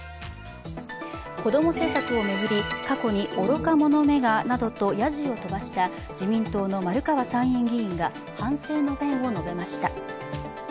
子ども政策を巡り、過去に愚か者めがなどとやじを飛ばした自民党の丸川参院議員が反省の弁を述べました。